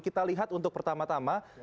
kita lihat untuk pertama tama